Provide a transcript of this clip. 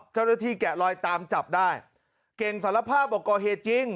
เจ้าหน้าที่แกะรอยตามจับได้เก่งสารภาพบอกก่อเหตุจริง